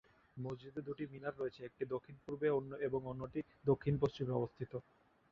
মসজিদে দুটি মিনার রয়েছে, একটি দক্ষিণ-পূর্বে এবং অন্যটি দক্ষিণ-পশ্চিমে অবস্থিত।